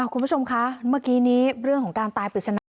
คุณผู้ชมคะเมื่อกี้นี้เรื่องของการตายปริศนา